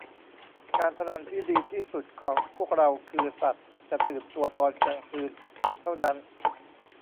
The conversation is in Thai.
การพนันที่ดีทีสุดของพวกเราคือสัตว์จะตื่นตัวตอนกลางคืนเท่านั้น